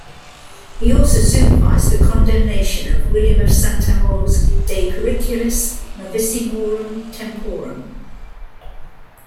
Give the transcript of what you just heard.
He also supervised the condemnation of William of Saint Amour's "De periculis novissimorum temporum".